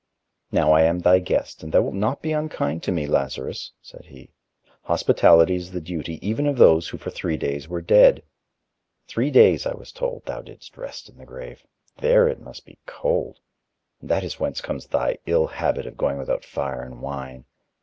"Now I am thy guest, and thou wilt not be unkind to me, Lazarus!" said he. "Hospitality is the duty even of those who for three days were dead. Three days, I was told, thou didst rest in the grave. There it must be cold ... and that is whence comes thy ill habit of going without fire and wine.